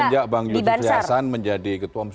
semenjak bang yul ki fliassan menjadi ketua